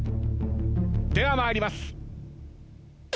では参ります。